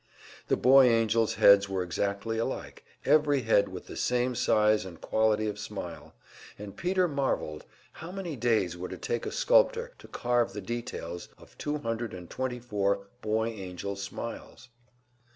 The boy angels' heads were exactly alike, every head with the same size and quality of smile; and Peter marvelled how many days would it take a sculptor to carve the details of two hundred and twenty four boy angel smiles?